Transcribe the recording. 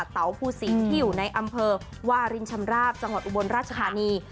เสาภูสิงที่อยู่ในอำเภอวารินชำราบจังหวัดอุบลราชธานี